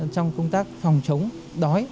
trong công tác phòng chống đói